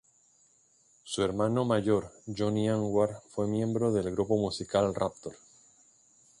Su hermano mayor, Joni Anwar fue miembro del grupo musical Raptor.